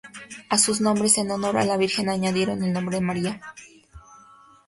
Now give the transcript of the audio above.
A sus nombres, en honor a la Virgen, añadieron el nombre de María.